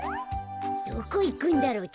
どこいくんだろう？